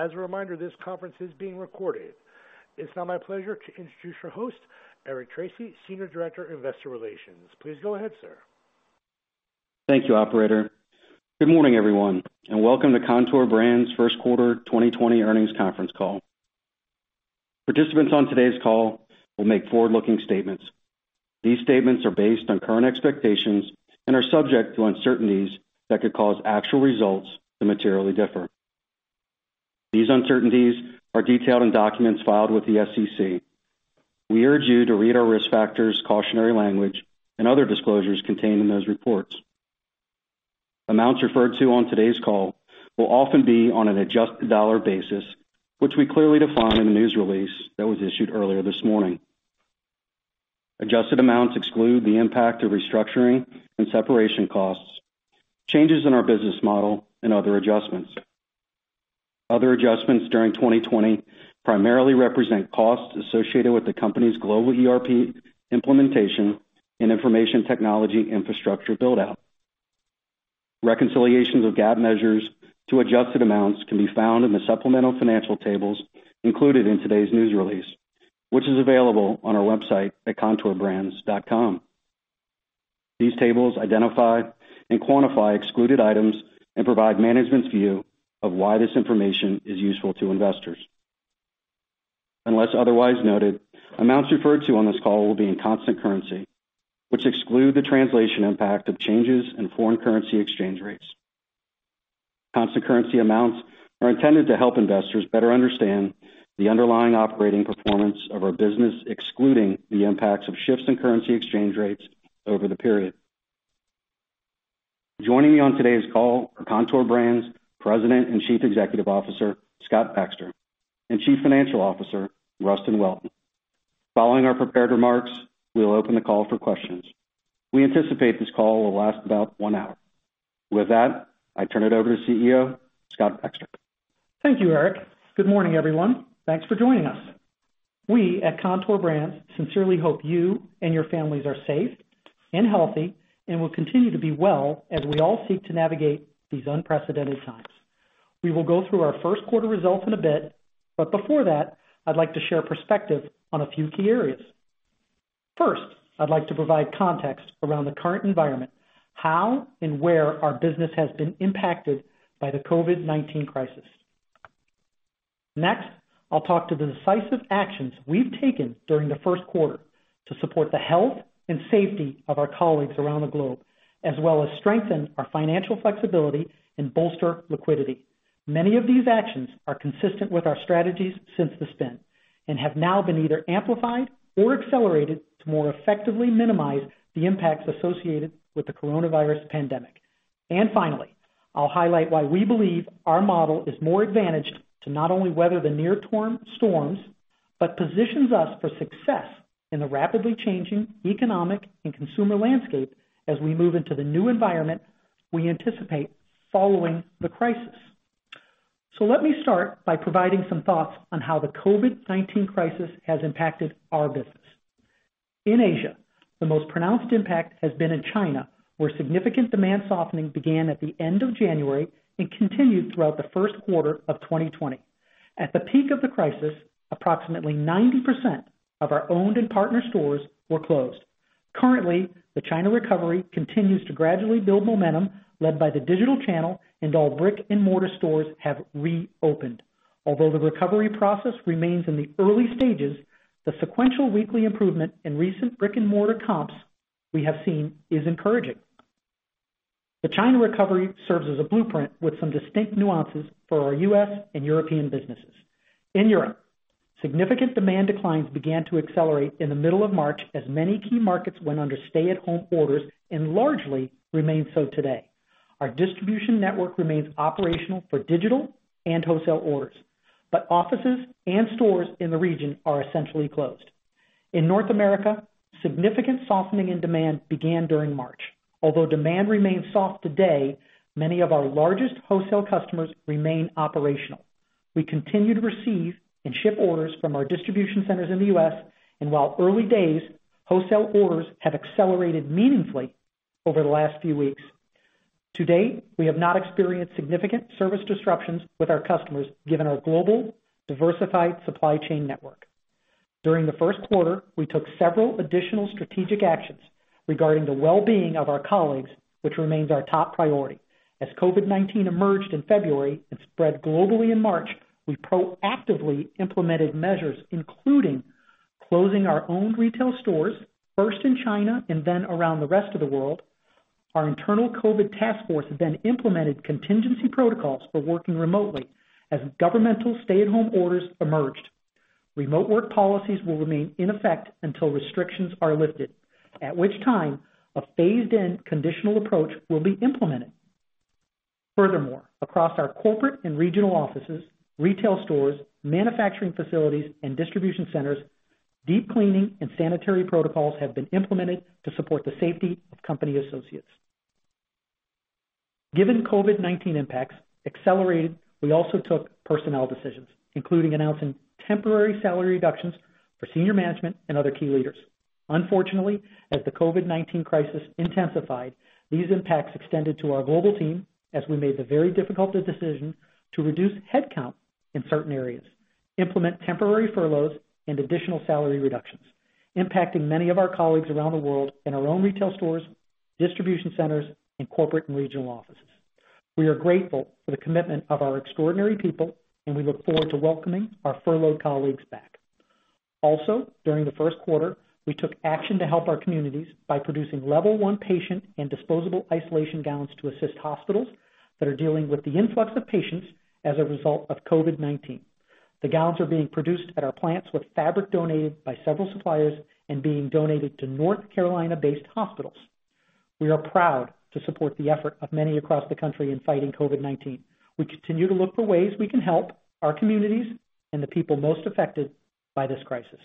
As a reminder, this conference is being recorded. It's now my pleasure to introduce your host, Eric Tracy, Senior Director, Investor Relations. Please go ahead, Sir. Thank you, Operator. Good morning, everyone, and welcome to Kontoor Brands' First Quarter 2020 Earnings Conference Call. Participants on today's call will make forward-looking statements. These statements are based on current expectations and are subject to uncertainties that could cause actual results to materially differ. These uncertainties are detailed in documents filed with the SEC. We urge you to read our risk factors, cautionary language, and other disclosures contained in those reports. Amounts referred to on today's call will often be on an adjusted dollar basis, which we clearly define in the news release that was issued earlier this morning. Adjusted amounts exclude the impact of restructuring and separation costs, changes in our business model, and other adjustments. Other adjustments during 2020 primarily represent costs associated with the company's global ERP implementation and information technology infrastructure build-out. Reconciliations of GAAP measures to adjusted amounts can be found in the supplemental financial tables included in today's news release, which is available on our website at kontoorbrands.com. These tables identify and quantify excluded items and provide management's view of why this information is useful to investors. Unless otherwise noted, amounts referred to on this call will be in constant currency, which exclude the translation impact of changes in foreign currency exchange rates. Constant currency amounts are intended to help investors better understand the underlying operating performance of our business, excluding the impacts of shifts in currency exchange rates over the period. Joining me on today's call are Kontoor Brands President and Chief Executive Officer, Scott Baxter, and Chief Financial Officer, Rustin Welton. Following our prepared remarks, we will open the call for questions. We anticipate this call will last about one hour. With that, I turn it over to CEO, Scott Baxter. Thank you, Eric. Good morning, everyone. Thanks for joining us. We at Kontoor Brands sincerely hope you and your families are safe and healthy and will continue to be well as we all seek to navigate these unprecedented times. We will go through our first quarter results in a bit, but before that, I'd like to share perspective on a few key areas. First, I'd like to provide context around the current environment, how and where our business has been impacted by the COVID-19 crisis. Next, I'll talk to the decisive actions we've taken during the first quarter to support the health and safety of our colleagues around the globe, as well as strengthen our financial flexibility and bolster liquidity. Many of these actions are consistent with our strategies since the spin, have now been either amplified or accelerated to more effectively minimize the impacts associated with the coronavirus pandemic. Finally, I'll highlight why we believe our model is more advantaged to not only weather the near storms but positions us for success in the rapidly changing economic and consumer landscape as we move into the new environment we anticipate following the crisis. Let me start by providing some thoughts on how the COVID-19 crisis has impacted our business. In Asia, the most pronounced impact has been in China, where significant demand softening began at the end of January and continued throughout the first quarter of 2020. At the peak of the crisis, approximately 90% of our owned and partner stores were closed. Currently, the China recovery continues to gradually build momentum led by the digital channel, and all brick-and-mortar stores have reopened. Although the recovery process remains in the early stages, the sequential weekly improvement in recent brick-and-mortar comps we have seen is encouraging. The China recovery serves as a blueprint with some distinct nuances for our U.S. and European businesses. In Europe, significant demand declines began to accelerate in the middle of March as many key markets went under stay-at-home orders and largely remain so today. Our distribution network remains operational for digital and wholesale orders, but offices and stores in the region are essentially closed. In North America, significant softening in demand began during March. Although demand remains soft today, many of our largest wholesale customers remain operational. We continue to receive and ship orders from our distribution centers in the U.S., and while early days, wholesale orders have accelerated meaningfully over the last few weeks. To date, we have not experienced significant service disruptions with our customers given our global diversified supply chain network. During the first quarter, we took several additional strategic actions regarding the well-being of our colleagues, which remains our top priority. As COVID-19 emerged in February and spread globally in March, we proactively implemented measures, including closing our own retail stores, first in China and then around the rest of the world. Our internal COVID task force then implemented contingency protocols for working remotely as governmental stay-at-home orders emerged. Remote work policies will remain in effect until restrictions are lifted, at which time a phased-in conditional approach will be implemented. Furthermore, across our corporate and regional offices, retail stores, manufacturing facilities, and distribution centers, deep cleaning and sanitary protocols have been implemented to support the safety of company associates. Given COVID-19 impacts accelerated, we also took personnel decisions, including announcing temporary salary reductions for senior management and other key leaders. Unfortunately, as the COVID-19 crisis intensified, these impacts extended to our global team as we made the very difficult decision to reduce headcount in certain areas, implement temporary furloughs, and additional salary reductions, impacting many of our colleagues around the world in our own retail stores, distribution centers, and corporate and regional offices. We are grateful for the commitment of our extraordinary people, and we look forward to welcoming our furloughed colleagues back. Also, during the first quarter, we took action to help our communities by producing level 1 patient and disposable isolation gowns to assist hospitals that are dealing with the influx of patients as a result of COVID-19. The gowns are being produced at our plants with fabric donated by several suppliers and being donated to North Carolina-based hospitals. We are proud to support the effort of many across the country in fighting COVID-19. We continue to look for ways we can help our communities and the people most affected by this crisis.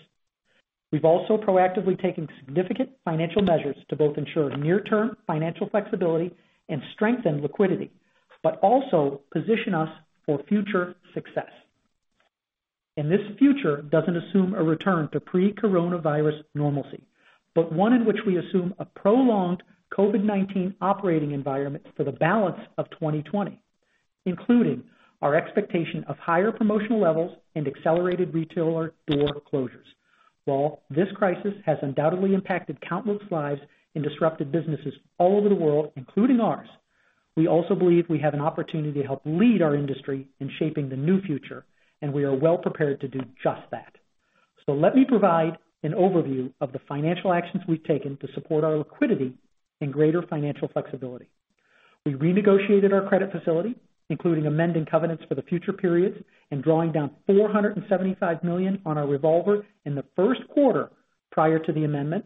We've also proactively taken significant financial measures to both ensure near-term financial flexibility and strengthen liquidity, but also position us for future success. This future doesn't assume a return to pre-coronavirus normalcy, but one in which we assume a prolonged COVID-19 operating environment for the balance of 2020, including our expectation of higher promotional levels and accelerated retailer door closures. While this crisis has undoubtedly impacted countless lives and disrupted businesses all over the world, including ours, we also believe we have an opportunity to help lead our industry in shaping the new future, and we are well prepared to do just that. Let me provide an overview of the financial actions we've taken to support our liquidity and greater financial flexibility. We renegotiated our credit facility, including amending covenants for the future periods and drawing down $475 million on our revolver in the first quarter prior to the amendment.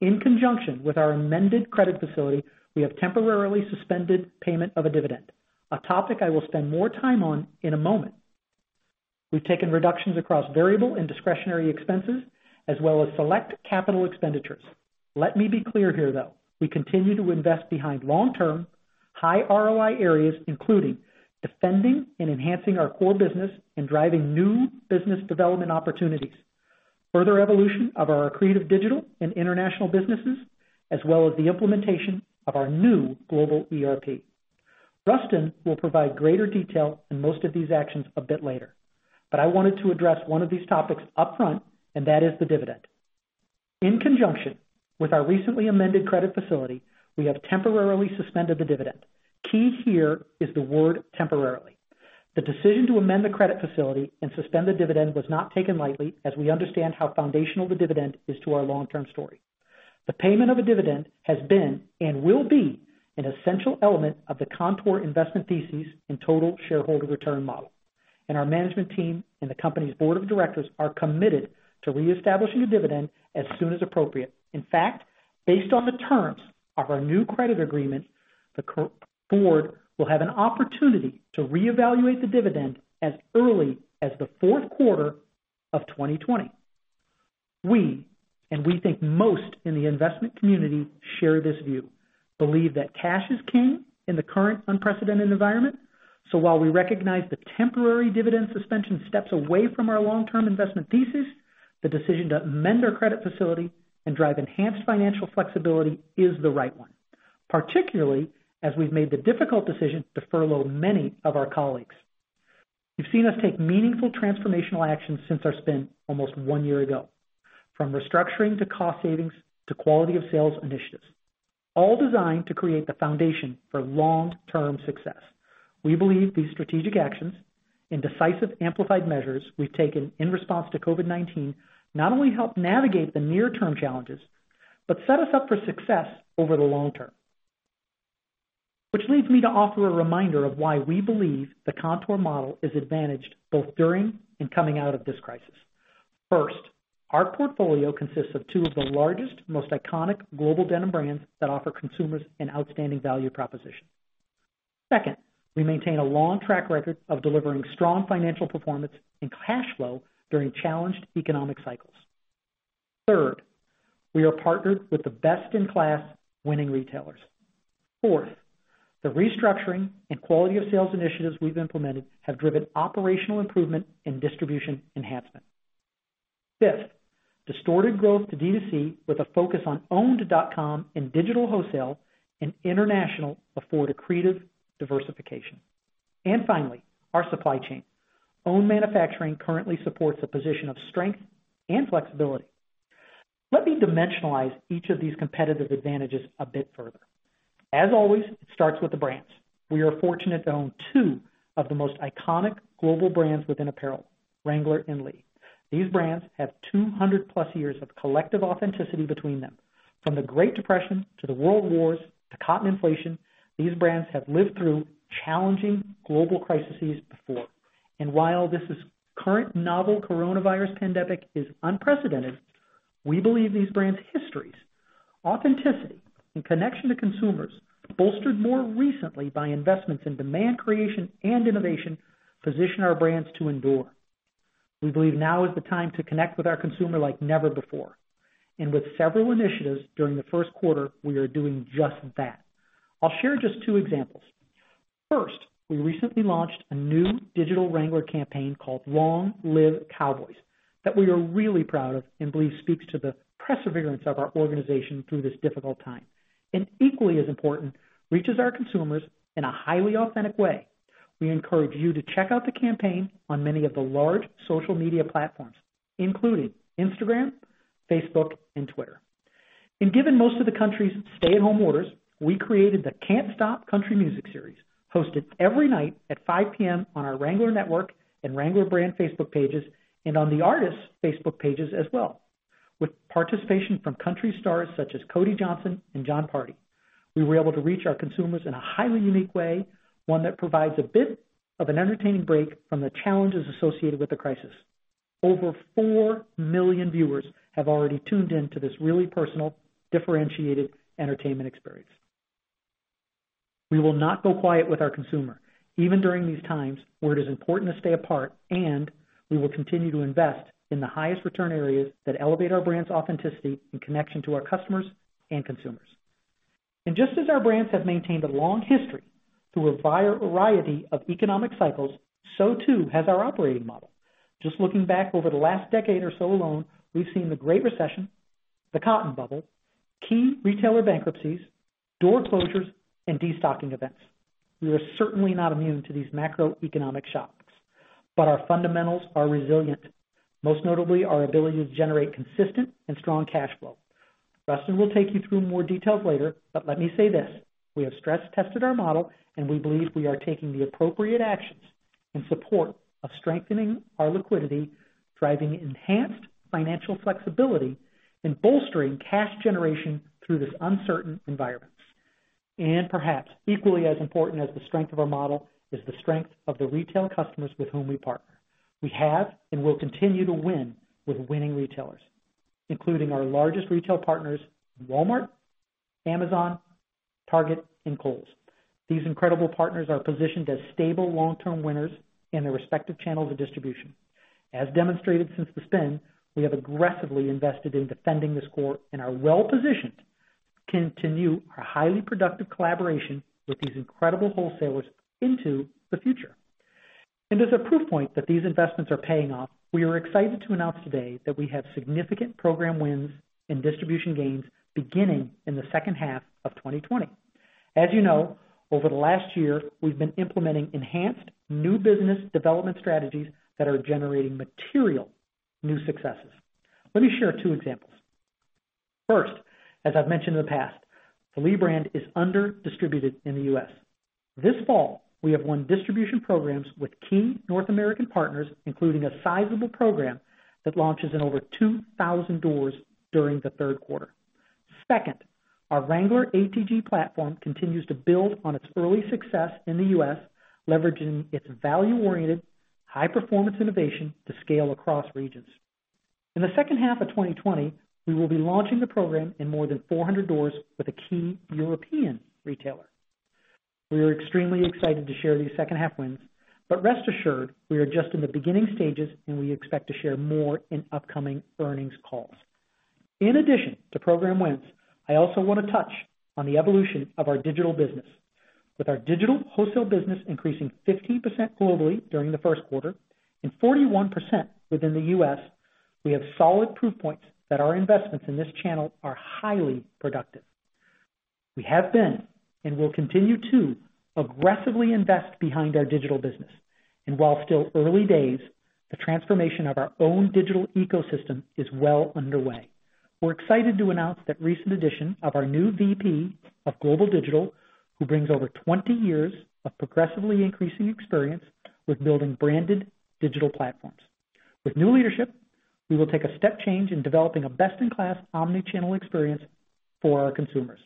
In conjunction with our amended credit facility, we have temporarily suspended payment of a dividend, a topic I will spend more time on in a moment. We've taken reductions across variable and discretionary expenses, as well as select capital expenditures. Let me be clear here, though, we continue to invest behind long-term high ROI areas, including defending and enhancing our core business and driving new business development opportunities, further evolution of our creative digital and international businesses, as well as the implementation of our new global ERP. Rustin will provide greater detail on most of these actions a bit later, but I wanted to address one of these topics up front, and that is the dividend. In conjunction with our recently amended credit facility, we have temporarily suspended the dividend. Key here is the word temporarily. The decision to amend the credit facility and suspend the dividend was not taken lightly as we understand how foundational the dividend is to our long-term story. The payment of a dividend has been and will be an essential element of the Kontoor investment thesis and total shareholder return model. Our management team and the company's Board of Directors are committed to reestablishing a dividend as soon as appropriate. In fact, based on the terms of our new credit agreement, the Board will have an opportunity to reevaluate the dividend as early as the fourth quarter of 2020. We, and we think most in the investment community share this view, believe that cash is king in the current unprecedented environment. While we recognize the temporary dividend suspension steps away from our long-term investment thesis, the decision to amend our credit facility and drive enhanced financial flexibility is the right one, particularly as we've made the difficult decision to furlough many of our colleagues. You've seen us take meaningful transformational actions since our spin almost one year ago. From restructuring to cost savings to quality of sales initiatives, all designed to create the foundation for long-term success. We believe these strategic actions and decisive, amplified measures we've taken in response to COVID-19 not only help navigate the near-term challenges but set us up for success over the long term. Which leads me to offer a reminder of why we believe the Kontoor model is advantaged both during and coming out of this crisis. First, our portfolio consists of two of the largest, most iconic global denim brands that offer consumers an outstanding value proposition. Second, we maintain a long track record of delivering strong financial performance and cash flow during challenged economic cycles. Third, we are partnered with the best-in-class winning retailers. Fourth, the restructuring and quality of sales initiatives we've implemented have driven operational improvement and distribution enhancement. Fifth, distorted growth to D2C with a focus on owned dot-com and digital wholesale and international afford accretive diversification. Finally, our supply chain. Owned manufacturing currently supports a position of strength and flexibility. Let me dimensionalize each of these competitive advantages a bit further. As always, it starts with the brands. We are fortunate to own two of the most iconic global brands within apparel, Wrangler and Lee. These brands have 200+ years of collective authenticity between them. From the Great Depression to the world wars to cotton inflation, these brands have lived through challenging global crises before. While this current novel coronavirus pandemic is unprecedented, we believe these brands' histories, authenticity, and connection to consumers, bolstered more recently by investments in demand creation and innovation, position our brands to endure. We believe now is the time to connect with our consumer like never before, and with several initiatives during the first quarter, we are doing just that. I'll share just two examples. First, we recently launched a new digital Wrangler campaign called Long Live Cowboys that we are really proud of and believe speaks to the perseverance of our organization through this difficult time, and equally as important, reaches our consumers in a highly authentic way. We encourage you to check out the campaign on many of the large social media platforms, including Instagram, Facebook, and Twitter. Given most of the country's stay-at-home orders, we created the Can't Stop Country Music series, hosted every night at 5:00 P.M. on our Wrangler Network and Wrangler brand Facebook pages, and on the artists' Facebook pages as well. With participation from country stars such as Cody Johnson and Jon Pardi. We were able to reach our consumers in a highly unique way, one that provides a bit of an entertaining break from the challenges associated with the crisis. Over 4 million viewers have already tuned in to this really personal, differentiated entertainment experience. We will not go quiet with our consumer, even during these times where it is important to stay apart, and we will continue to invest in the highest return areas that elevate our brand's authenticity and connection to our customers and consumers. Just as our brands have maintained a long history through a variety of economic cycles, so too has our operating model. Just looking back over the last decade or so alone, we've seen the Great Recession, the cotton bubble, key retailer bankruptcies, door closures, and destocking events. We are certainly not immune to these macroeconomic shocks, but our fundamentals are resilient. Most notably, our ability to generate consistent and strong cash flow. Rustin will take you through more details later, but let me say this, we have stress-tested our model, and we believe we are taking the appropriate actions in support of strengthening our liquidity, driving enhanced financial flexibility, and bolstering cash generation through this uncertain environment. Perhaps equally as important as the strength of our model is the strength of the retail customers with whom we partner. We have and will continue to win with winning retailers, including our largest retail partners, Walmart, Amazon, Target, and Kohl's. These incredible partners are positioned as stable, long-term winners in their respective channels of distribution. As demonstrated since the spin, we have aggressively invested in defending this core and are well-positioned to continue our highly productive collaboration with these incredible wholesalers into the future. As a proof point that these investments are paying off, we are excited to announce today that we have significant program wins and distribution gains beginning in the second half of 2020. As you know, over the last year, we've been implementing enhanced new business development strategies that are generating material new successes. Let me share two examples. First, as I've mentioned in the past, the Lee brand is under-distributed in the U.S. This fall, we have won distribution programs with key North American partners, including a sizable program that launches in over 2,000 doors during the third quarter. Second, our Wrangler ATG platform continues to build on its early success in the U.S., leveraging its value-oriented, high-performance innovation to scale across regions. In the second half of 2020, we will be launching the program in more than 400 doors with a key European retailer. We are extremely excited to share these second half wins. Rest assured, we are just in the beginning stages. We expect to share more in upcoming earnings calls. In addition to program wins, I also want to touch on the evolution of our digital business. With our digital wholesale business increasing 15% globally during the first quarter and 41% within the U.S., we have solid proof points that our investments in this channel are highly productive. We have been and will continue to aggressively invest behind our digital business. While still early days, the transformation of our own digital ecosystem is well underway. We're excited to announce the recent addition of our new VP of Global Digital, who brings over 20 years of progressively increasing experience with building branded digital platforms. With new leadership, we will take a step change in developing a best-in-class omni-channel experience for our consumers.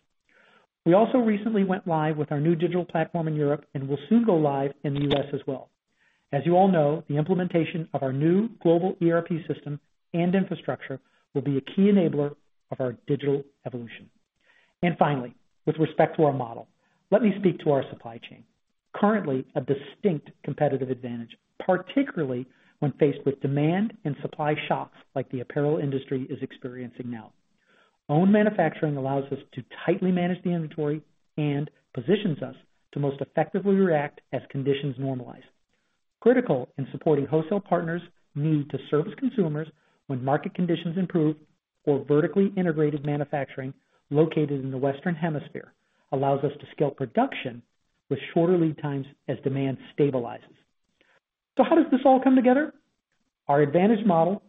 We also recently went live with our new digital platform in Europe and will soon go live in the U.S. as well. As you all know, the implementation of our new global ERP system and infrastructure will be a key enabler of our digital evolution. Finally, with respect to our model, let me speak to our supply chain. Currently a distinct competitive advantage, particularly when faced with demand and supply shocks like the apparel industry is experiencing now. Own manufacturing allows us to tightly manage the inventory and positions us to most effectively react as conditions normalize. Critical in supporting wholesale partners' need to service consumers when market conditions improve or vertically integrated manufacturing located in the Western Hemisphere allows us to scale production with shorter lead times as demand stabilizes. How does this all come together? Our advantage model,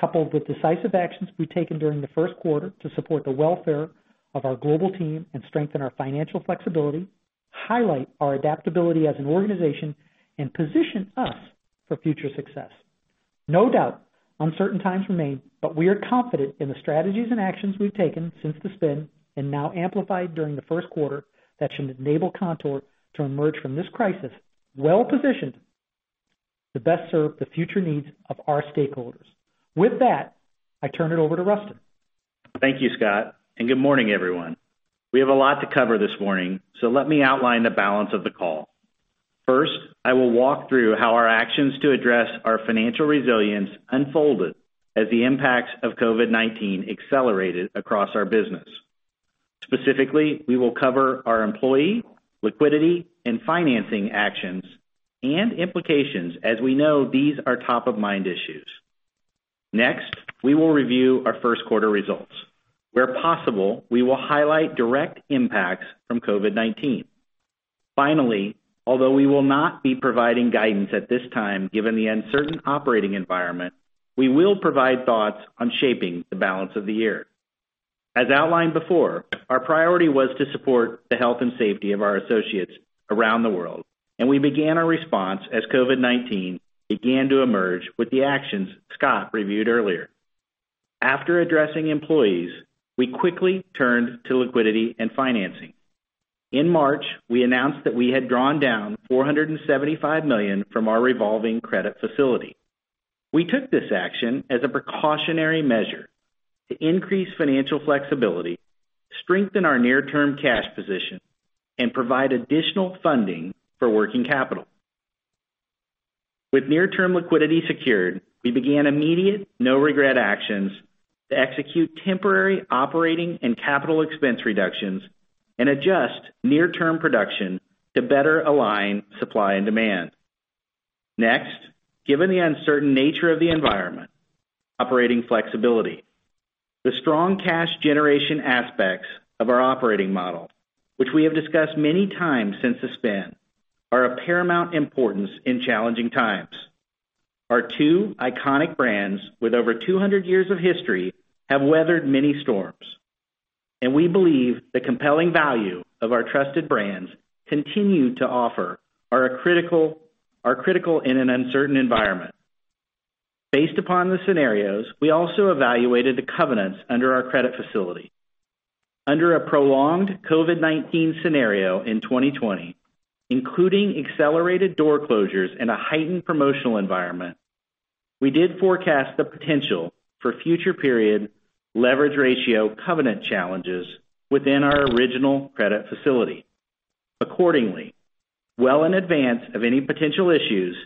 coupled with decisive actions we've taken during the first quarter to support the welfare of our global team and strengthen our financial flexibility, highlight our adaptability as an organization and position us for future success. No doubt, uncertain times remain, but we are confident in the strategies and actions we've taken since the spin and now amplified during the first quarter that should enable Kontoor to emerge from this crisis well-positioned to best serve the future needs of our stakeholders. With that, I turn it over to Rustin. Thank you, Scott, and good morning, everyone. We have a lot to cover this morning, let me outline the balance of the call. First, I will walk through how our actions to address our financial resilience unfolded as the impacts of COVID-19 accelerated across our business. Specifically, we will cover our employee, liquidity, and financing actions and implications, as we know these are top-of-mind issues. Next, we will review our first quarter results. Where possible, we will highlight direct impacts from COVID-19. Finally, although we will not be providing guidance at this time, given the uncertain operating environment, we will provide thoughts on shaping the balance of the year. As outlined before, our priority was to support the health and safety of our associates around the world, we began our response as COVID-19 began to emerge with the actions Scott reviewed earlier. After addressing employees, we quickly turned to liquidity and financing. In March, we announced that we had drawn down $475 million from our revolving credit facility. We took this action as a precautionary measure to increase financial flexibility, strengthen our near-term cash position, and provide additional funding for working capital. With near-term liquidity secured, we began immediate, no-regret actions to execute temporary operating and capital expense reductions and adjust near-term production to better align supply and demand. Next, given the uncertain nature of the environment, operating flexibility. The strong cash generation aspects of our operating model, which we have discussed many times since the spin, are of paramount importance in challenging times. Our two iconic brands, with over 200 years of history, have weathered many storms, and we believe the compelling value of our trusted brands continue to offer are critical in an uncertain environment. Based upon the scenarios, we also evaluated the covenants under our credit facility. Under a prolonged COVID-19 scenario in 2020, including accelerated door closures and a heightened promotional environment, we did forecast the potential for future period leverage ratio covenant challenges within our original credit facility. Accordingly, well in advance of any potential issues,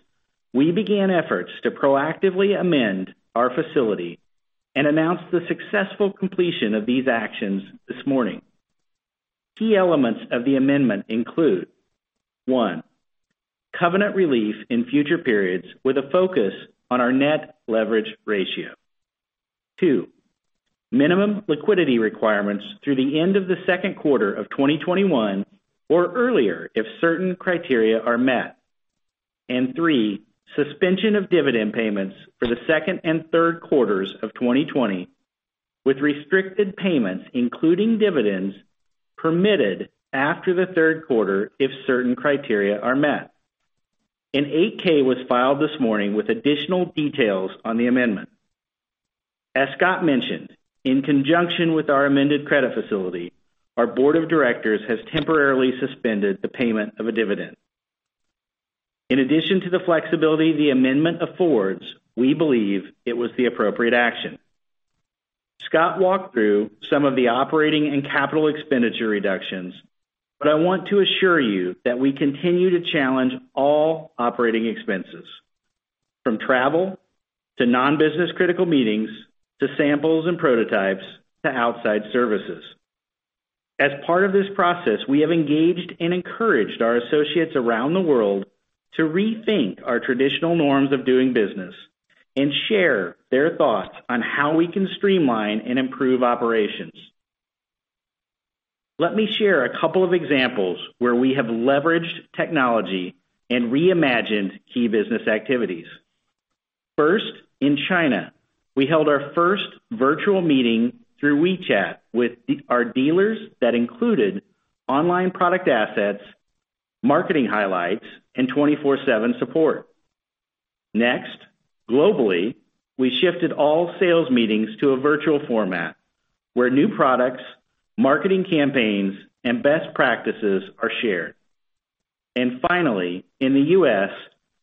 we began efforts to proactively amend our facility and announce the successful completion of these actions this morning. Key elements of the amendment include, one, covenant relief in future periods with a focus on our net leverage ratio. Two, minimum liquidity requirements through the end of the second quarter of 2021 or earlier, if certain criteria are met. And three, suspension of dividend payments for the second and third quarters of 2020, with restricted payments, including dividends, permitted after the third quarter if certain criteria are met. An 8-K was filed this morning with additional details on the amendment. As Scott mentioned, in conjunction with our amended credit facility, our board of directors has temporarily suspended the payment of a dividend. In addition to the flexibility the amendment affords, we believe it was the appropriate action. Scott walked through some of the operating and capital expenditure reductions, but I want to assure you that we continue to challenge all operating expenses, from travel to non-business critical meetings, to samples and prototypes, to outside services. As part of this process, we have engaged and encouraged our associates around the world to rethink our traditional norms of doing business and share their thoughts on how we can streamline and improve operations. Let me share a couple of examples where we have leveraged technology and reimagined key business activities. First, in China, we held our first virtual meeting through WeChat with our dealers that included online product assets, marketing highlights, and 24/7 support. Next, globally, we shifted all sales meetings to a virtual format where new products, marketing campaigns, and best practices are shared. Finally, in the U.S.,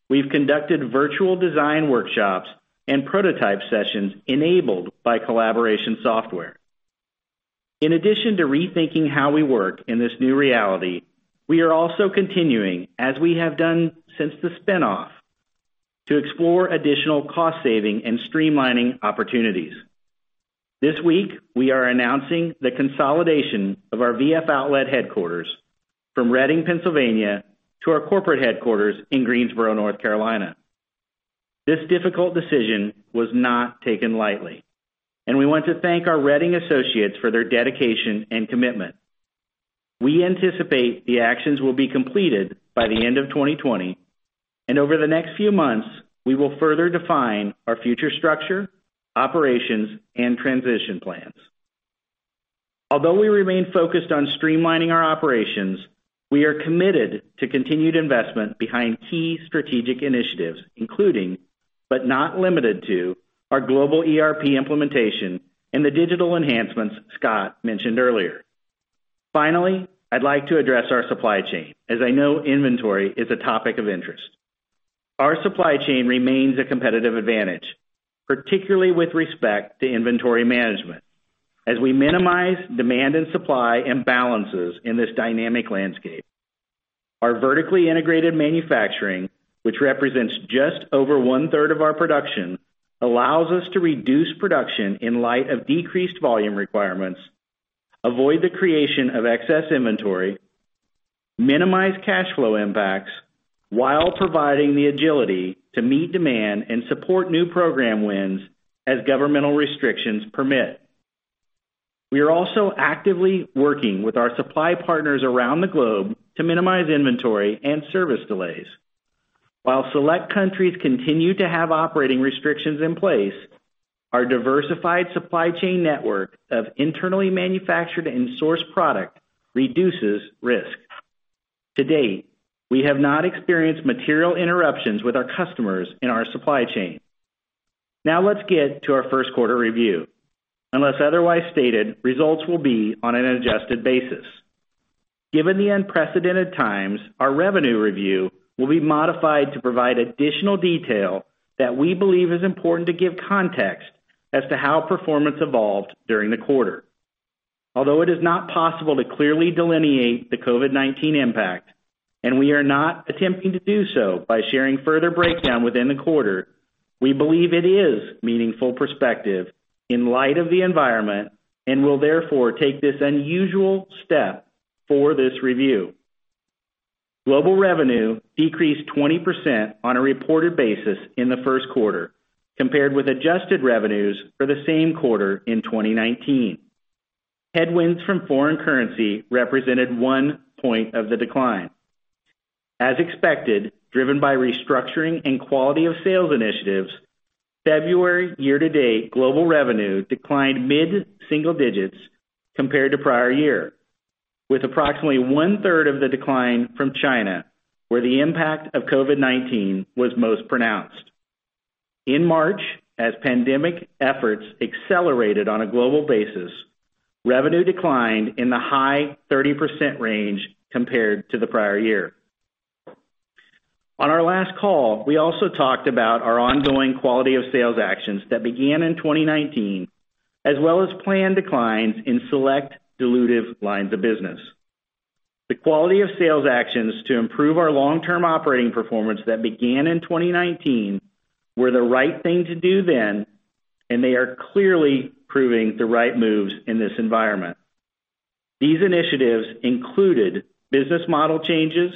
we've conducted virtual design workshops and prototype sessions enabled by collaboration software. In addition to rethinking how we work in this new reality, we are also continuing, as we have done since the spin-off, to explore additional cost-saving and streamlining opportunities. This week, we are announcing the consolidation of our VF Outlet headquarters from Reading, Pennsylvania to our corporate headquarters in Greensboro, North Carolina. This difficult decision was not taken lightly, and we want to thank our Reading associates for their dedication and commitment. We anticipate the actions will be completed by the end of 2020, and over the next few months, we will further define our future structure, operations, and transition plans. Although we remain focused on streamlining our operations, we are committed to continued investment behind key strategic initiatives, including, but not limited to, our global ERP implementation and the digital enhancements Scott mentioned earlier. Finally, I'd like to address our supply chain, as I know inventory is a topic of interest. Our supply chain remains a competitive advantage, particularly with respect to inventory management as we minimize demand and supply imbalances in this dynamic landscape. Our vertically integrated manufacturing, which represents just over 1/3 of our production, allows us to reduce production in light of decreased volume requirements, avoid the creation of excess inventory, minimize cash flow impacts while providing the agility to meet demand and support new program wins as governmental restrictions permit. We are also actively working with our supply partners around the globe to minimize inventory and service delays. While select countries continue to have operating restrictions in place, our diversified supply chain network of internally manufactured and sourced product reduces risk. To date, we have not experienced material interruptions with our customers in our supply chain. Let's get to our first quarter review. Unless otherwise stated, results will be on an adjusted basis. Given the unprecedented times, our revenue review will be modified to provide additional detail that we believe is important to give context as to how performance evolved during the quarter. Although it is not possible to clearly delineate the COVID-19 impact, and we are not attempting to do so by sharing further breakdown within the quarter, we believe it is meaningful perspective in light of the environment and will therefore take this unusual step for this review. Global revenue decreased 20% on a reported basis in the first quarter compared with adjusted revenues for the same quarter in 2019. Headwinds from foreign currency represented one point of the decline. As expected, driven by restructuring and quality of sales initiatives, February year-to-date global revenue declined mid-single digits compared to prior year, with approximately 1/3 of the decline from China, where the impact of COVID-19 was most pronounced. In March, as pandemic efforts accelerated on a global basis, revenue declined in the high 30% range compared to the prior year. On our last call, we also talked about our ongoing quality of sales actions that began in 2019, as well as planned declines in select dilutive lines of business. The quality of sales actions to improve our long-term operating performance that began in 2019 were the right thing to do then, and they are clearly proving the right moves in this environment. These initiatives included business model changes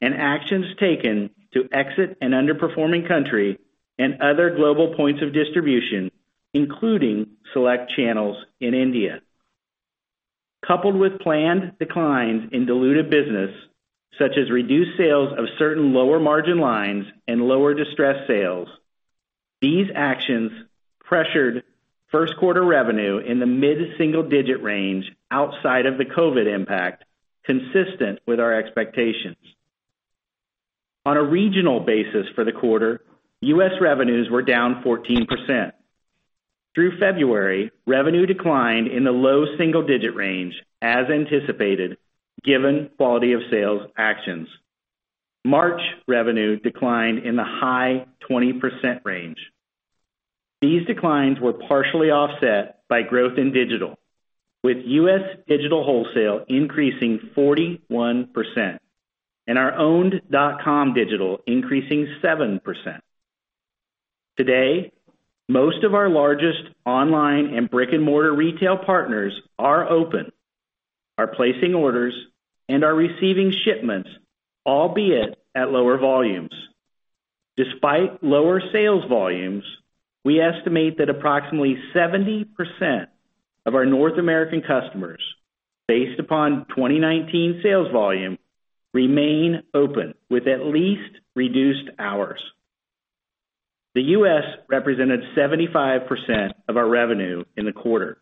and actions taken to exit an underperforming country and other global points of distribution, including select channels in India. Coupled with planned declines in dilutive business, such as reduced sales of certain lower-margin lines and lower distressed sales, these actions pressured first quarter revenue in the mid-single digit range outside of the COVID-19 impact, consistent with our expectations. On a regional basis for the quarter, U.S. revenues were down 14%. Through February, revenue declined in the low single-digit range, as anticipated, given quality of sales actions. March revenue declined in the high 20% range. These declines were partially offset by growth in digital, with U.S. digital wholesale increasing 41% and our owned dot-com digital increasing 7%. Today, most of our largest online and brick-and-mortar retail partners are open, are placing orders, and are receiving shipments, albeit at lower volumes. Despite lower sales volumes, we estimate that approximately 70% of our North American customers, based upon 2019 sales volume, remain open with at least reduced hours. The U.S. represented 75% of our revenue in the quarter.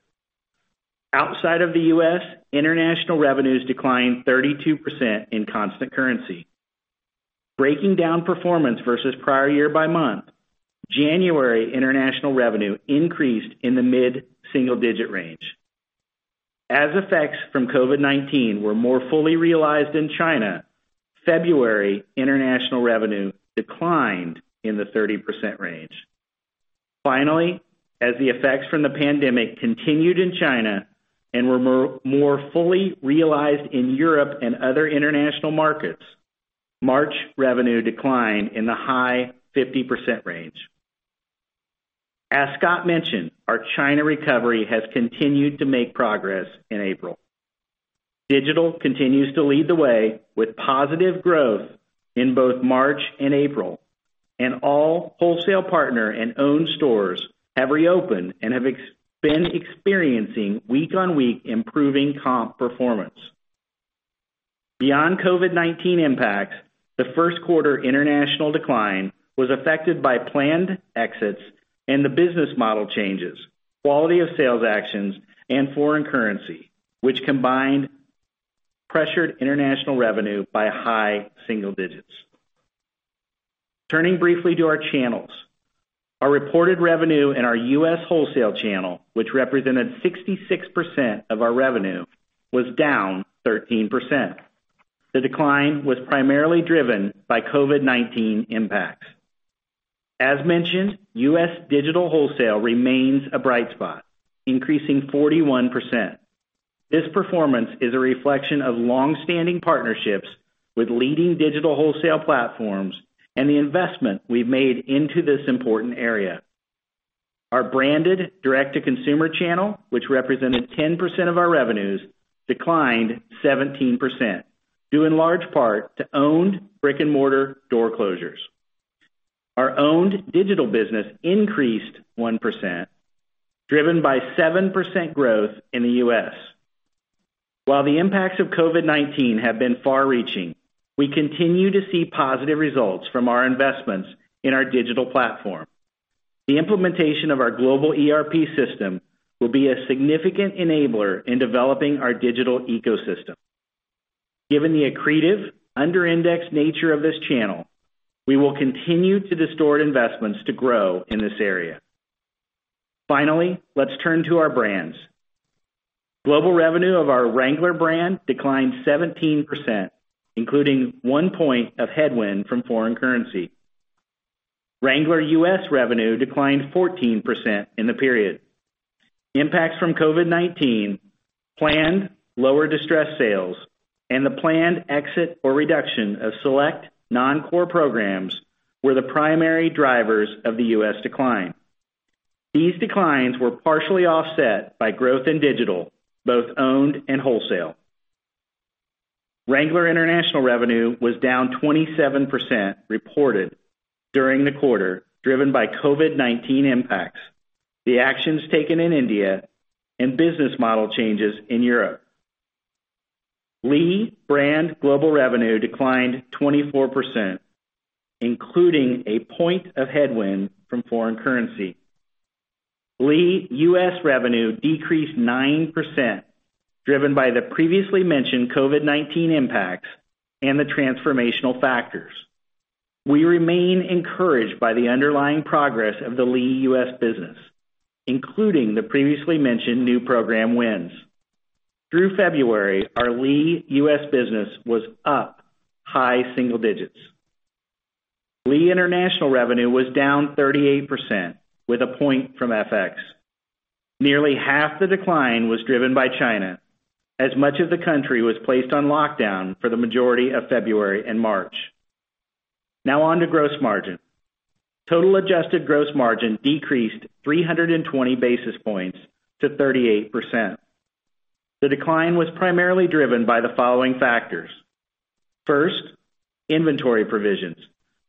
Outside of the U.S., international revenues declined 32% in constant currency. Breaking down performance versus prior year by month, January international revenue increased in the mid-single digit range. As effects from COVID-19 were more fully realized in China, February international revenue declined in the 30% range. Finally, as the effects from the pandemic continued in China and were more fully realized in Europe and other international markets, March revenue declined in the high 50% range. As Scott mentioned, our China recovery has continued to make progress in April. Digital continues to lead the way with positive growth in both March and April, and all wholesale partner and owned stores have reopened and have been experiencing week-on-week improving comp performance. Beyond COVID-19 impacts, the first quarter international decline was affected by planned exits and the business model changes, quality of sales actions, and foreign currency, which combined pressured international revenue by high single digits. Turning briefly to our channels. Our reported revenue in our U.S. wholesale channel, which represented 66% of our revenue, was down 13%. The decline was primarily driven by COVID-19 impacts. As mentioned, U.S. digital wholesale remains a bright spot, increasing 41%. This performance is a reflection of long-standing partnerships with leading digital wholesale platforms and the investment we've made into this important area. Our branded direct-to-consumer channel, which represented 10% of our revenues, declined 17%, due in large part to owned brick and mortar door closures. Our owned digital business increased 1%, driven by 7% growth in the U.S. While the impacts of COVID-19 have been far-reaching, we continue to see positive results from our investments in our digital platform. The implementation of our global ERP system will be a significant enabler in developing our digital ecosystem. Given the accretive, under indexed nature of this channel, we will continue to distort investments to grow in this area. Finally, let's turn to our brands. Global revenue of our Wrangler brand declined 17%, including one point of headwind from foreign currency. Wrangler U.S. revenue declined 14% in the period. Impacts from COVID-19, planned lower distressed sales, and the planned exit or reduction of select non-core programs were the primary drivers of the U.S. decline. These declines were partially offset by growth in digital, both owned and wholesale. Wrangler international revenue was down 27% reported during the quarter, driven by COVID-19 impacts, the actions taken in India, and business model changes in Europe. Lee brand global revenue declined 24%, including a point of headwind from foreign currency. Lee U.S. revenue decreased 9%, driven by the previously mentioned COVID-19 impacts and the transformational factors. We remain encouraged by the underlying progress of the Lee U.S. business, including the previously mentioned new program wins. Through February, our Lee U.S. business was up high single digits. Lee International revenue was down 38%, with a point from FX. Nearly 1/2 the decline was driven by China, as much of the country was placed on lockdown for the majority of February and March. On to gross margin. Total adjusted gross margin decreased 320 basis points to 38%. The decline was primarily driven by the following factors. First, inventory provisions,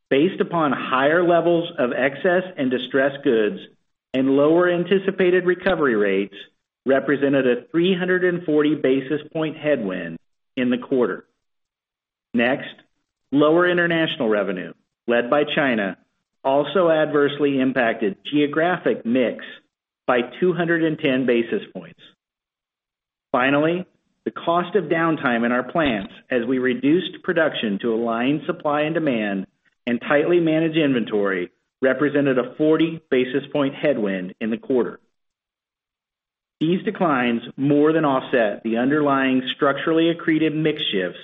based upon higher levels of excess and distressed goods and lower anticipated recovery rates represented a 340 basis point headwind in the quarter. Next, lower international revenue, led by China, also adversely impacted geographic mix by 210 basis points. Finally, the cost of downtime in our plants as we reduced production to align supply and demand and tightly manage inventory, represented a 40 basis point headwind in the quarter. These declines more than offset the underlying structurally accretive mix shifts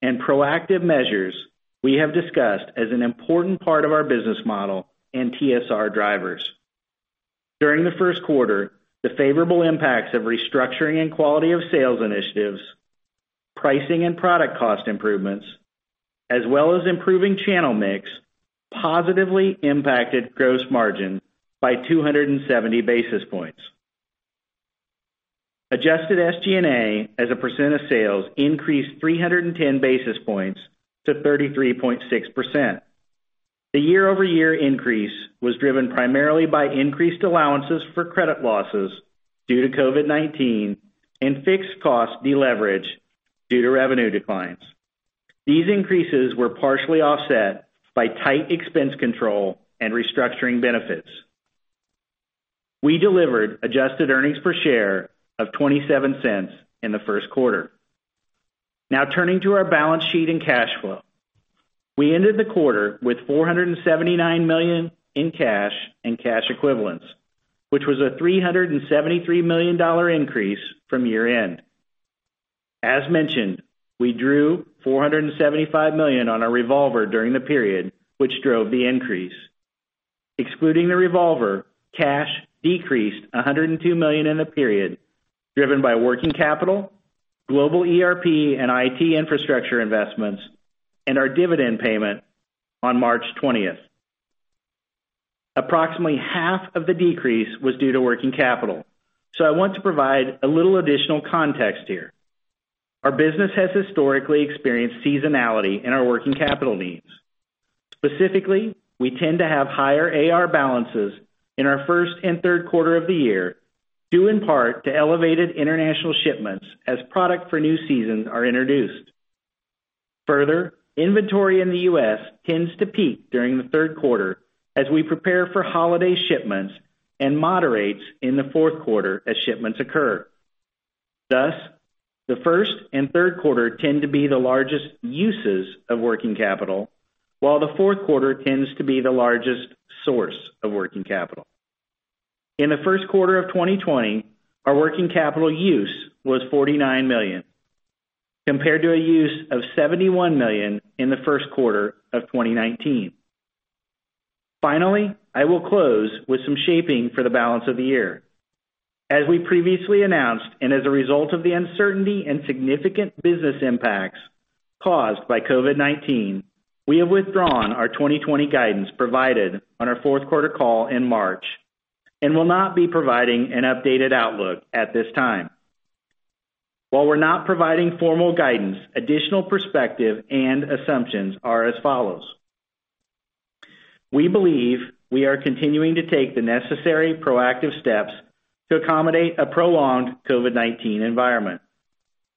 and proactive measures we have discussed as an important part of our business model and TSR drivers. During the first quarter, the favorable impacts of restructuring and quality of sales initiatives, pricing and product cost improvements, as well as improving channel mix, positively impacted gross margin by 270 basis points. Adjusted SG&A as a percent of sales increased 310 basis points to 33.6%. The year-over-year increase was driven primarily by increased allowances for credit losses due to COVID-19 and fixed cost deleverage due to revenue declines. These increases were partially offset by tight expense control and restructuring benefits. We delivered adjusted earnings per share of $0.27 in the first quarter. Turning to our balance sheet and cash flow. We ended the quarter with $479 million in cash and cash equivalents, which was a $373 million increase from year-end. As mentioned, we drew $475 million on our revolver during the period, which drove the increase. Excluding the revolver, cash decreased $102 million in the period, driven by working capital, global ERP and IT infrastructure investments, and our dividend payment on March 20th. Approximately 1/2 of the decrease was due to working capital. I want to provide a little additional context here. Our business has historically experienced seasonality in our working capital needs. Specifically, we tend to have higher AR balances in our first and third quarter of the year, due in part to elevated international shipments as product for new seasons are introduced. Further, inventory in the U.S. tends to peak during the third quarter as we prepare for holiday shipments and moderates in the fourth quarter as shipments occur. Thus, the first and third quarter tend to be the largest uses of working capital, while the fourth quarter tends to be the largest source of working capital. In the first quarter of 2020, our working capital use was $49 million, compared to a use of $71 million in the first quarter of 2019. Finally, I will close with some shaping for the balance of the year. As we previously announced, and as a result of the uncertainty and significant business impacts caused by COVID-19, we have withdrawn our 2020 guidance provided on our fourth quarter call in March and will not be providing an updated outlook at this time. While we're not providing formal guidance, additional perspective and assumptions are as follows: We believe we are continuing to take the necessary proactive steps to accommodate a prolonged COVID-19 environment.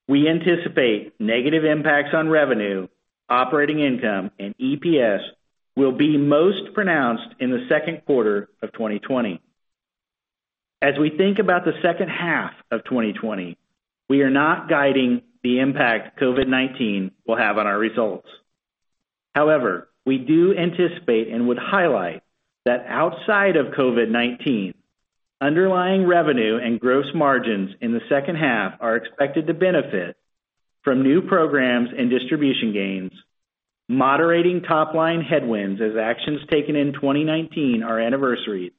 We anticipate negative impacts on revenue, operating income, and EPS will be most pronounced in the second quarter of 2020. As we think about the second half of 2020, we are not guiding the impact COVID-19 will have on our results. We do anticipate and would highlight that outside of COVID-19, underlying revenue and gross margins in the second half are expected to benefit from new programs and distribution gains, moderating top-line headwinds as actions taken in 2019 are anniversaried,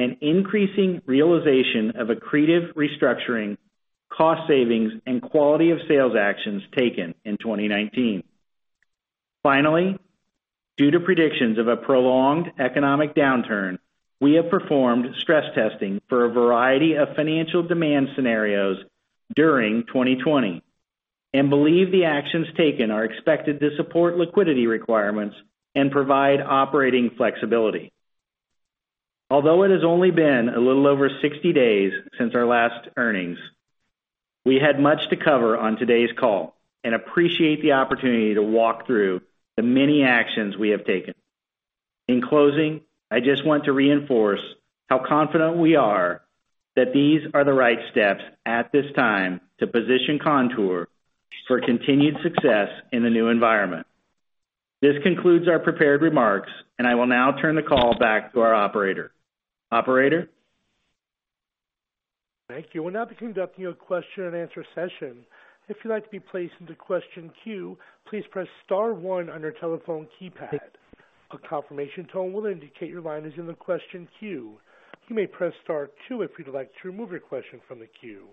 and increasing realization of accretive restructuring, cost savings, and quality of sales actions taken in 2019. Finally, due to predictions of a prolonged economic downturn, we have performed stress testing for a variety of financial demand scenarios during 2020, and believe the actions taken are expected to support liquidity requirements and provide operating flexibility. Although it has only been a little over 60 days since our last earnings, we had much to cover on today's call and appreciate the opportunity to walk through the many actions we have taken. In closing, I just want to reinforce how confident we are that these are the right steps at this time to position Kontoor for continued success in the new environment. This concludes our prepared remarks, and I will now turn the call back to our operator. Operator? Thank you. We'll now be conducting a question and answer session. If you'd like to be placed into question queue, please press star one on your telephone keypad. A confirmation tone will indicate your line is in the question queue. You may press star two if you'd like to remove your question from the queue.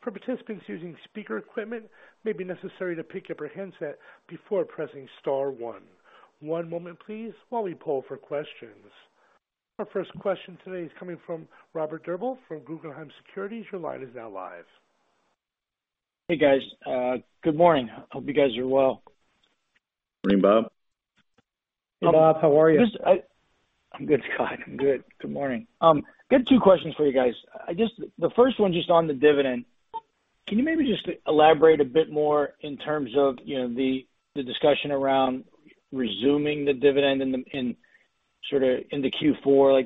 For participants using speaker equipment, it may be necessary to pick up your handset before pressing star one. One moment please while we poll for questions. Our first question today is coming from Robert Drbul from Guggenheim Securities. Your line is now live. Hey, guys. Good morning. Hope you guys are well. Morning, Bob. Hey, Bob. How are you? I'm good, Scott. I'm good. Good morning. Got two questions for you guys. The first one just on the dividend. Can you maybe just elaborate a bit more in terms of the discussion around resuming the dividend in the Q4?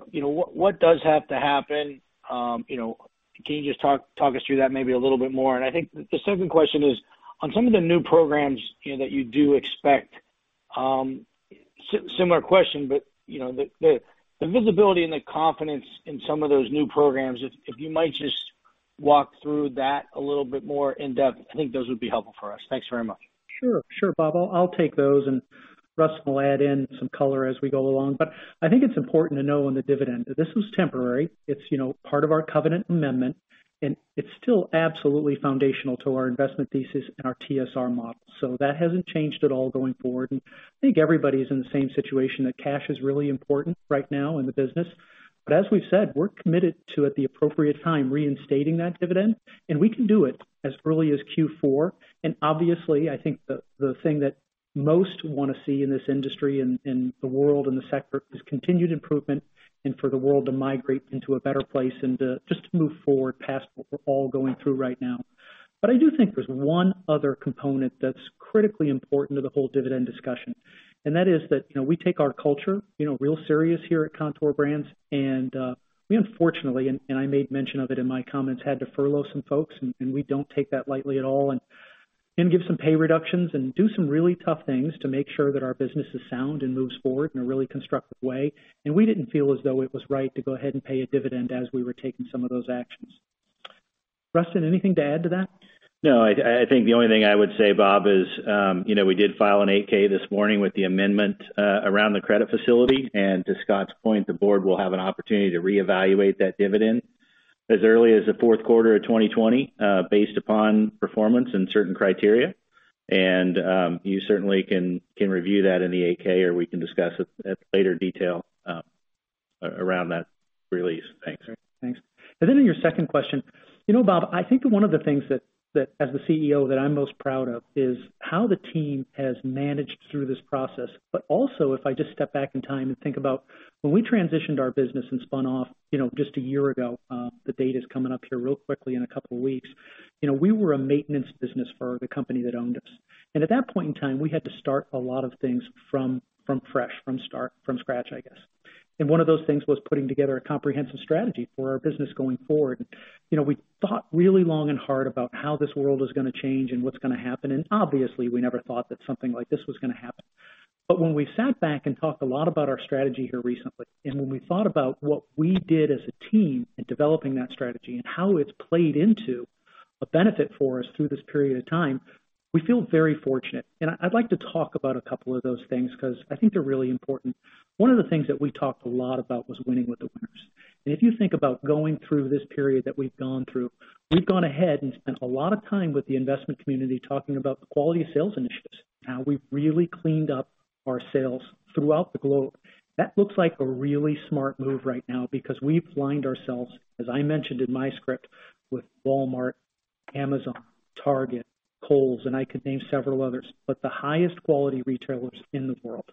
What does have to happen? Can you just talk us through that maybe a little bit more? I think the second question is on some of the new programs that you do expect. Similar question, the visibility and the confidence in some of those new programs, if you might just walk through that a little bit more in depth. I think those would be helpful for us. Thanks very much. Sure. Bob, I'll take those and Rustin will add in some color as we go along. I think it's important to know on the dividend that this was temporary. It's part of our covenant amendment, and it's still absolutely foundational to our investment thesis and our TSR model. That hasn't changed at all going forward, and I think everybody's in the same situation, that cash is really important right now in the business. As we've said, we're committed to, at the appropriate time, reinstating that dividend, and we can do it as early as Q4. Obviously, I think the thing that most want to see in this industry and the world and the sector is continued improvement, and for the world to migrate into a better place and just to move forward past what we're all going through right now. I do think there's one other component that's critically important to the whole dividend discussion. That is that we take our culture real serious here at Kontoor Brands. We unfortunately, and I made mention of it in my comments, had to furlough some folks, and we don't take that lightly at all, and give some pay reductions and do some really tough things to make sure that our business is sound and moves forward in a really constructive way. We didn't feel as though it was right to go ahead and pay a dividend as we were taking some of those actions. Rustin, anything to add to that? No. I think the only thing I would say, Bob, is we did file an 8-K this morning with the amendment around the credit facility. To Scott's point, the board will have an opportunity to reevaluate that dividend as early as the fourth quarter of 2020, based upon performance and certain criteria. You certainly can review that in the 8-K, or we can discuss it at later detail around that release. Thanks. Thanks. Then in your second question, Bob, I think that one of the things that as the CEO that I'm most proud of is how the team has managed through this process. Also if I just step back in time and think about when we transitioned our business and spun off just a year ago, the date is coming up here real quickly in a couple of weeks. We were a maintenance business for the company that owned us. At that point in time, we had to start a lot of things from fresh, from scratch, I guess. One of those things was putting together a comprehensive strategy for our business going forward. We thought really long and hard about how this world is going to change and what's going to happen. Obviously, we never thought that something like this was going to happen. When we sat back and talked a lot about our strategy here recently, and when we thought about what we did as a team in developing that strategy and how it's played into a benefit for us through this period of time, we feel very fortunate. I'd like to talk about a couple of those things because I think they're really important. One of the things that we talked a lot about was winning with the winners. If you think about going through this period that we've gone through, we've gone ahead and spent a lot of time with the investment community talking about the quality of sales initiatives and how we've really cleaned up our sales throughout the globe. That looks like a really smart move right now because we've aligned ourselves, as I mentioned in my script, with Walmart, Amazon, Target, Kohl's, and I could name several others, but the highest quality retailers in the world,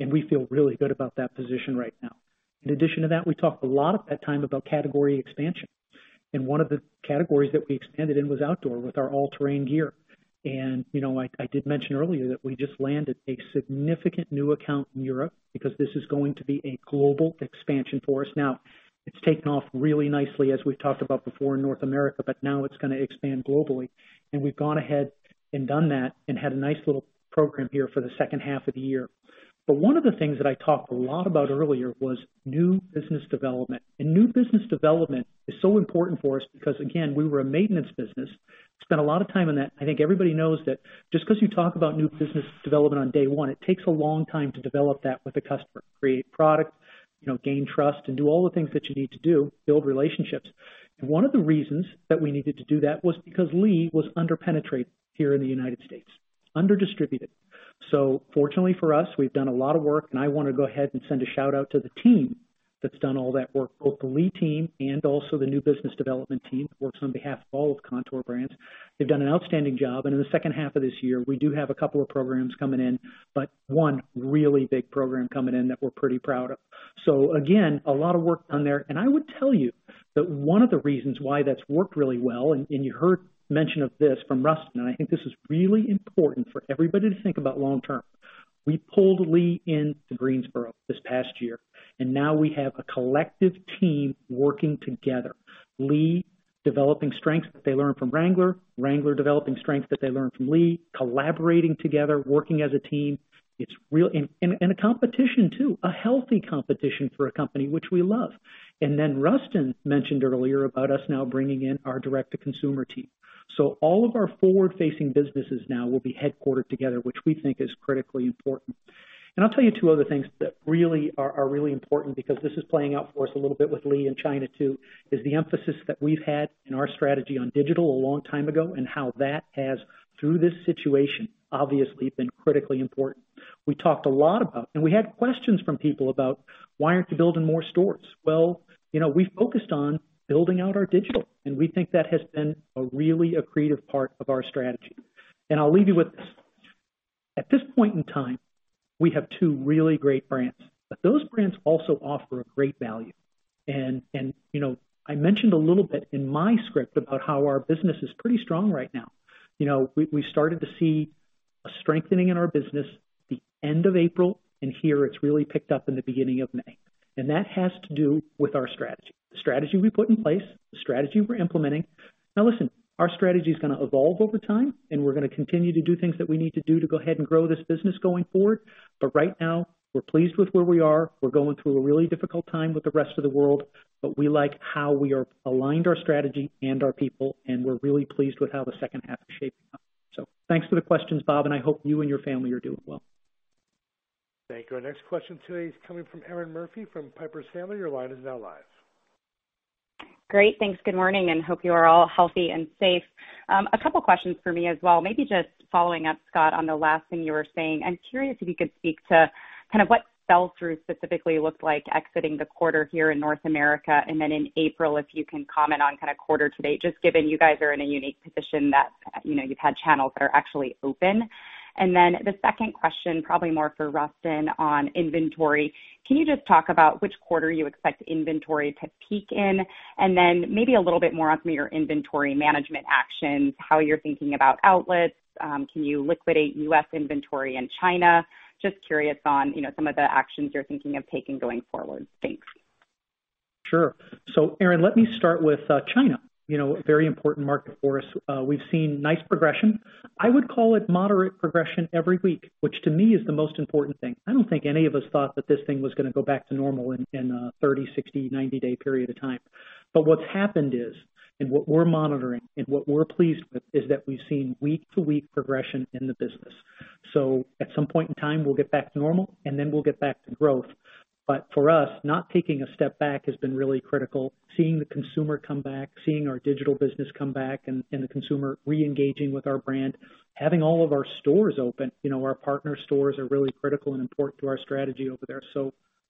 and we feel really good about that position right now. In addition to that, we talked a lot of that time about category expansion, and one of the categories that we expanded in was outdoor with our All Terrain Gear. I did mention earlier that we just landed a significant new account in Europe because this is going to be a global expansion for us. Now, it's taken off really nicely, as we've talked about before in North America, now it's going to expand globally, and we've gone ahead and done that and had a nice little program here for the second half of the year. One of the things that I talked a lot about earlier was new business development. New business development is so important for us because, again, we were a maintenance business. Spent a lot of time on that. I think everybody knows that just because you talk about new business development on day one, it takes a long time to develop that with a customer, create product, gain trust, and do all the things that you need to do, build relationships. One of the reasons that we needed to do that was because Lee was under-penetrated here in the United States, under-distributed. Fortunately for us, we've done a lot of work, and I want to go ahead and send a shout-out to the team that's done all that work, both the Lee team and also the new business development team that works on behalf of all of Kontoor Brands. They've done an outstanding job. In the second half of this year, we do have a couple of programs coming in, but one really big program coming in that we're pretty proud of. Again, a lot of work done there. I would tell you that one of the reasons why that's worked really well, and you heard mention of this from Rustin, and I think this is really important for everybody to think about long term. We pulled Lee into Greensboro this past year, and now we have a collective team working together. Lee developing strengths that they learned from Wrangler developing strengths that they learned from Lee, collaborating together, working as a team. A competition too, a healthy competition for a company, which we love. Rustin mentioned earlier about us now bringing in our direct-to-consumer team. All of our forward-facing businesses now will be headquartered together, which we think is critically important. I'll tell you two other things that are really important because this is playing out for us a little bit with Lee in China, too, is the emphasis that we've had in our strategy on digital a long time ago and how that has, through this situation, obviously been critically important. We talked a lot about, and we had questions from people about why aren't you building more stores? Well, we focused on building out our digital, and we think that has been a really accretive part of our strategy. I'll leave you with this. At this point in time, we have two really great brands, but those brands also offer a great value. I mentioned a little bit in my script about how our business is pretty strong right now. We started to see a strengthening in our business the end of April, and here it's really picked up in the beginning of May. That has to do with our strategy. The strategy we put in place, the strategy we're implementing. Listen, our strategy is going to evolve over time, and we're going to continue to do things that we need to do to go ahead and grow this business going forward. Right now, we're pleased with where we are. We're going through a really difficult time with the rest of the world, but we like how we are aligned our strategy and our people, and we're really pleased with how the second half is shaping up. Thanks for the questions, Bob, and I hope you and your family are doing well. Thank you. Our next question today is coming from Erinn Murphy from Piper Sandler. Your line is now live. Great. Thanks. Good morning. Hope you are all healthy and safe. A couple of questions for me as well. Maybe just following up, Scott, on the last thing you were saying, I'm curious if you could speak to what sell-through specifically looked like exiting the quarter here in North America. In April, if you can comment on quarter-to-date, just given you guys are in a unique position that you've had channels that are actually open. The second question, probably more for Rustin on inventory, can you just talk about which quarter you expect inventory to peak in? Maybe a little more on some of your inventory management actions, how you're thinking about outlets. Can you liquidate U.S. inventory in China? Just curious on some of the actions you're thinking of taking going forward. Thanks. Sure. Erinn, let me start with China, a very important market for us. We've seen nice progression. I would call it moderate progression every week, which to me is the most important thing. I don't think any of us thought that this thing was going to go back to normal in a 30, 60, 90-day period of time. What's happened is, and what we're monitoring and what we're pleased with is that we've seen week-to-week progression in the business. At some point in time, we'll get back to normal, and then we'll get back to growth. For us, not taking a step back has been really critical. Seeing the consumer come back, seeing our digital business come back and the consumer re-engaging with our brand, having all of our stores open. Our partner stores are really critical and important to our strategy over there.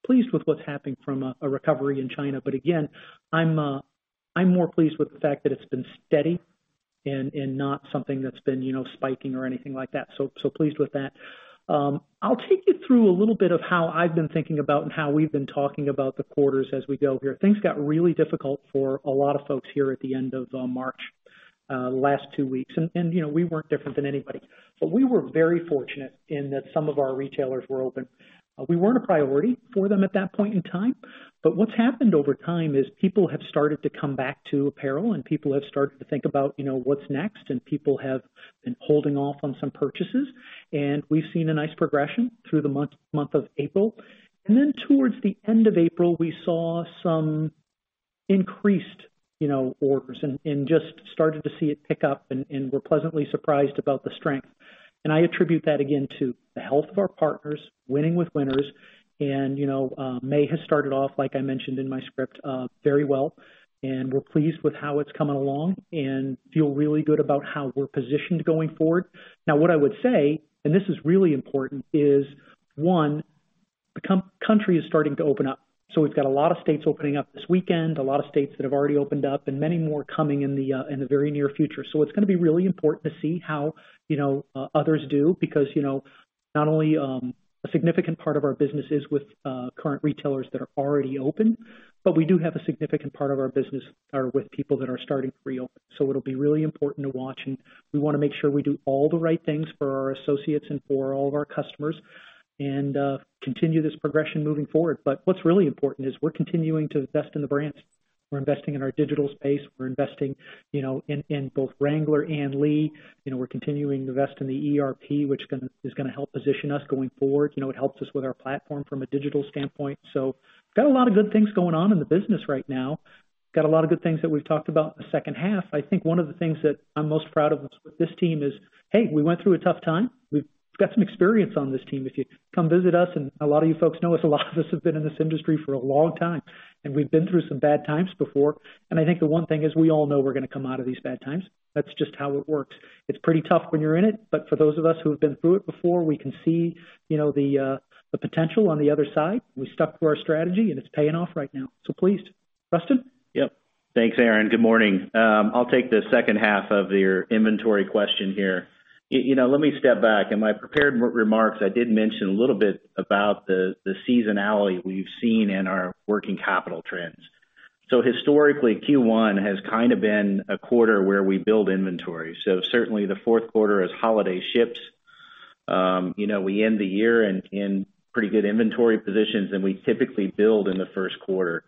Pleased with what's happening from a recovery in China. Again, I'm more pleased with the fact that it's been steady and not something that's been spiking or anything like that. Pleased with that. I'll take you through a little bit of how I've been thinking about and how we've been talking about the quarters as we go here. Things got really difficult for a lot of folks here at the end of March last two weeks. We weren't different than anybody. We were very fortunate in that some of our retailers were open. We weren't a priority for them at that point in time. What's happened over time is people have started to come back to apparel and people have started to think about what's next, and people have been holding off on some purchases. We've seen a nice progression through the month of April. Then towards the end of April, we saw some increased orders and just started to see it pick up, and were pleasantly surprised about the strength. I attribute that, again, to the health of our partners, winning with winners. May has started off, like I mentioned in my script, very well. We're pleased with how it's coming along and feel really good about how we're positioned going forward. Now, what I would say, and this is really important, is one, the country is starting to open up. We've got a lot of states opening up this weekend, a lot of states that have already opened up, and many more coming in the very near future. It's going to be really important to see how others do, because not only a significant part of our business is with current retailers that are already open, but we do have a significant part of our business are with people that are starting to reopen. It'll be really important to watch, and we want to make sure we do all the right things for our associates and for all of our customers and continue this progression moving forward. What's really important is we're continuing to invest in the brands. We're investing in our digital space. We're investing in both Wrangler and Lee. We're continuing to invest in the ERP, which is going to help position us going forward. It helps us with our platform from a digital standpoint. Got a lot of good things going on in the business right now. Got a lot of good things that we've talked about in the second half. I think one of the things that I'm most proud of with this team is, hey, we went through a tough time. We've got some experience on this team. If you come visit us, and a lot of you folks know us, a lot of us have been in this industry for a long time, and we've been through some bad times before. I think the one thing is we all know we're going to come out of these bad times. That's just how it works. It's pretty tough when you're in it, but for those of us who have been through it before, we can see the potential on the other side. We stuck to our strategy, and it's paying off right now. Pleased. Rustin? Yep. Thanks, Erinn. Good morning. I'll take the second half of your inventory question here. Let me step back. In my prepared remarks, I did mention a little bit about the seasonality we've seen in our working capital trends. Historically, Q1 has been a quarter where we build inventory. Certainly the fourth quarter as holiday ships. We end the year in pretty good inventory positions then we typically build in the first quarter.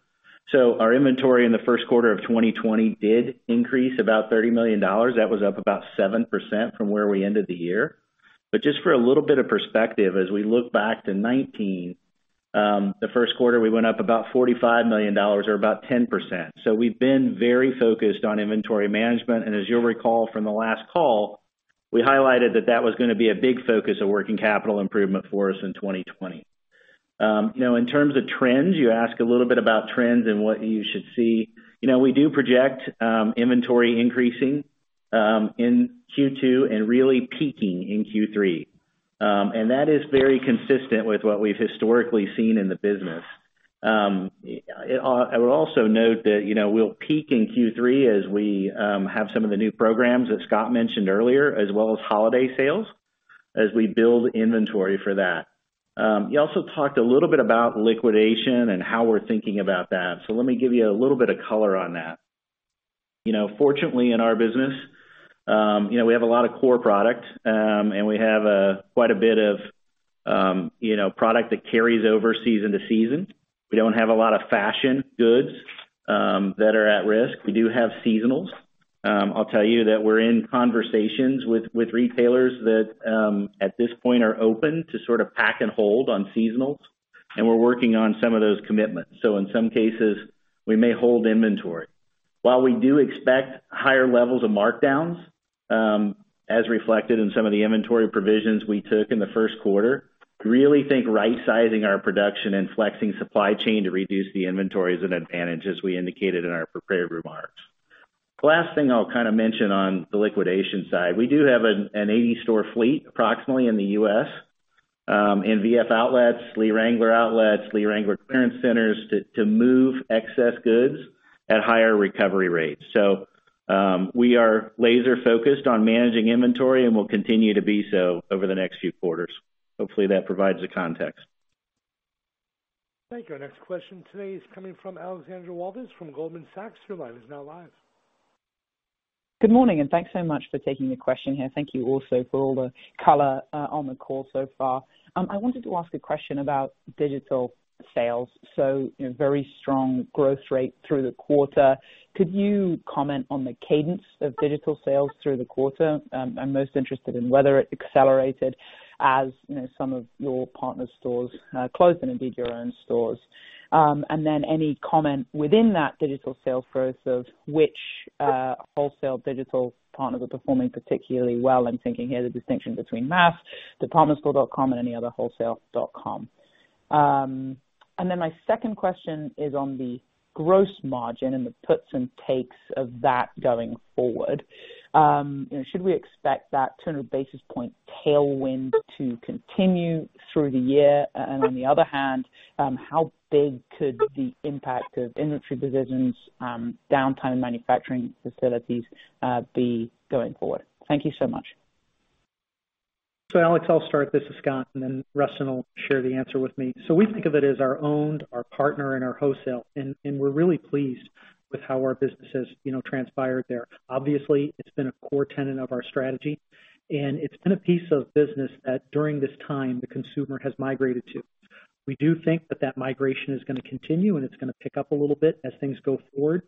Our inventory in the first quarter of 2020 did increase about $30 million. That was up about 7% from where we ended the year. Just for a little bit of perspective, as we look back to 2019, the first quarter, we went up about $45 million or 10%. We've been very focused on inventory management, and as you'll recall from the last call, we highlighted that that was going to be a big focus of working capital improvement for us in 2020. In terms of trends, you ask a little bit about trends and what you should see. We do project inventory increasing in Q2 and really peaking in Q3. That is very consistent with what we've historically seen in the business. I would also note that we'll peak in Q3 as we have some of the new programs that Scott mentioned earlier, as well as holiday sales, as we build inventory for that. You also talked a little bit about liquidation and how we're thinking about that. Let me give you a little bit of color on that. Fortunately in our business, we have a lot of core product, and we have quite a bit of product that carries over season to season. We don't have a lot of fashion goods that are at risk. We do have seasonals. I'll tell you that we're in conversations with retailers that at this point are open to pack and hold on seasonals, and we're working on some of those commitments. In some cases, we may hold inventory. While we do expect higher levels of markdowns, as reflected in some of the inventory provisions we took in the first quarter, really think right-sizing our production and flexing supply chain to reduce the inventory is an advantage as we indicated in our prepared remarks. The last thing I'll mention on the liquidation side, we do have an 80-store fleet approximately in the U.S. in VF Outlet, Lee Wrangler outlets, Lee Wrangler clearance centers to move excess goods at higher recovery rates. We are laser focused on managing inventory, and we'll continue to be so over the next few quarters. Hopefully, that provides the context. Thank you. Our next question today is coming from Alexandra Walvis from Goldman Sachs. Your line is now live. Good morning, thanks so much for taking the question here. Thank you also for all the color on the call so far. I wanted to ask a question about digital sales. Very strong growth rate through the quarter. Could you comment on the cadence of digital sales through the quarter? I'm most interested in whether it accelerated as some of your partner stores closed and indeed your own stores. Any comment within that digital sales growth of which wholesale digital partners are performing particularly well? I'm thinking here the distinction between mass, departmentstore.com, and any other wholesale.com. My second question is on the gross margin and the puts and takes of that going forward. Should we expect that 200 basis point tailwind to continue through the year? On the other hand, how big could the impact of inventory decisions, downtime in manufacturing facilities be going forward? Thank you so much. Alexandra, I'll start this as Scott, and then Rustin will share the answer with me. We're really pleased with how our business has transpired there. Obviously, it's been a core tenet of our strategy, and it's been a piece of business that during this time the consumer has migrated to. We do think that that migration is going to continue, and it's going to pick up a little bit as things go forward.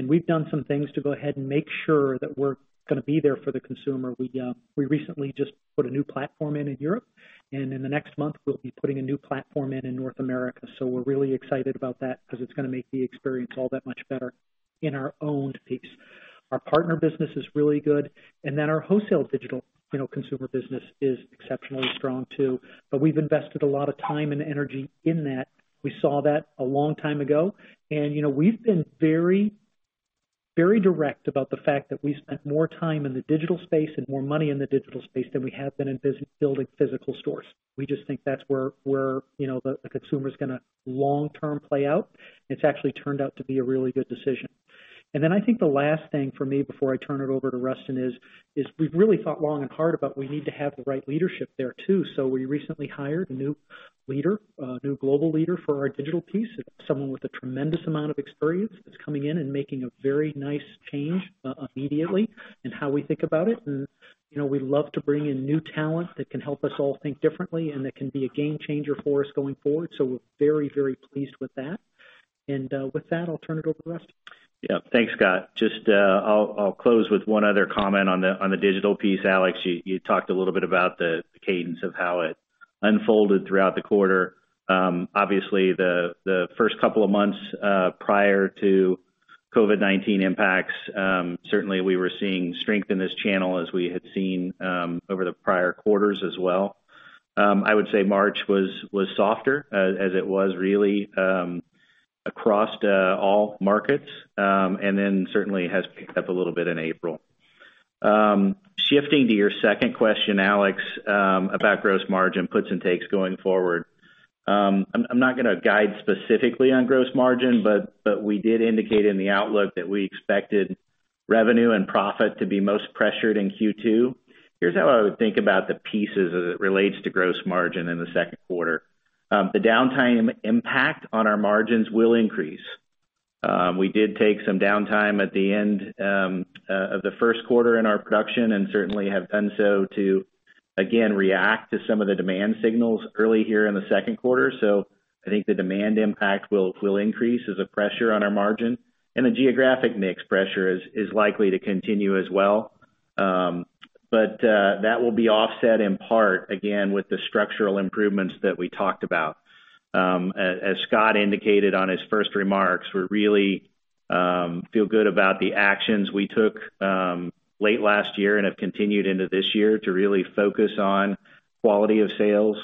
We've done some things to go ahead and make sure that we're going to be there for the consumer. We recently just put a new platform in in Europe. In the next month, we'll be putting a new platform in in North America. We're really excited about that because it's going to make the experience all that much better in our owned piece. Our partner business is really good. Our wholesale digital consumer business is exceptionally strong too. We've invested a lot of time and energy in that. We saw that a long time ago. We've been very direct about the fact that we spent more time in the digital space and more money in the digital space than we have been in building physical stores. We just think that's where the consumer's going to long term play out. It's actually turned out to be a really good decision. I think the last thing for me before I turn it over to Rustin is, we've really thought long and hard about we need to have the right leadership there too. We recently hired a new global leader for our digital piece, someone with a tremendous amount of experience that's coming in and making a very nice change immediately in how we think about it. We love to bring in new talent that can help us all think differently and that can be a game changer for us going forward. We're very, very pleased with that. With that, I'll turn it over to Rustin. Yeah. Thanks, Scott. Just I'll close with one other comment on the digital piece. Alex, you talked a little bit about the cadence of how it unfolded throughout the quarter. Obviously, the first couple of months prior to COVID-19 impacts, certainly we were seeing strength in this channel as we had seen over the prior quarters as well. I would say March was softer as it was really across all markets. Certainly has picked up a little bit in April. Shifting to your second question, Alex, about gross margin puts and takes going forward. I'm not going to guide specifically on gross margin, but we did indicate in the outlook that we expected revenue and profit to be most pressured in Q2. Here's how I would think about the pieces as it relates to gross margin in the second quarter. The downtime impact on our margins will increase. We did take some downtime at the end of the first quarter in our production and certainly have done so to, again, react to some of the demand signals early here in the second quarter. I think the demand impact will increase as a pressure on our margin, and the geographic mix pressure is likely to continue as well. That will be offset in part, again, with the structural improvements that we talked about. As Scott indicated on his first remarks, we really feel good about the actions we took late last year and have continued into this year to really focus on quality of sales,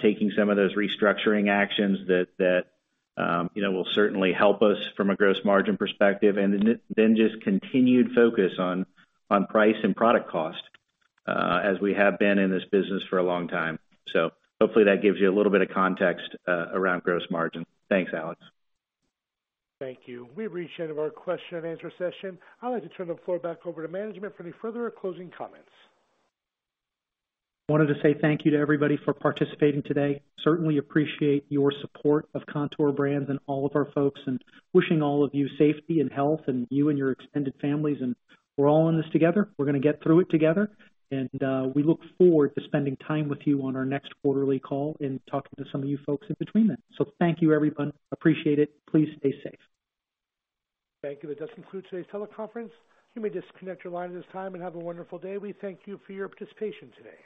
taking some of those restructuring actions that will certainly help us from a gross margin perspective. Just continued focus on price and product cost as we have been in this business for a long time. Hopefully that gives you a little bit of context around gross margin. Thanks, Alex. Thank you. We've reached the end of our question and answer session. I'd like to turn the floor back over to management for any further closing comments. Wanted to say thank you to everybody for participating today. Certainly appreciate your support of Kontoor Brands and all of our folks, wishing all of you safety and health and you and your extended families. We're all in this together. We're going to get through it together. We look forward to spending time with you on our next quarterly call and talking to some of you folks in between then. Thank you everyone. Appreciate it. Please stay safe. Thank you. That does conclude today's teleconference. You may disconnect your line at this time, and have a wonderful day. We thank you for your participation today.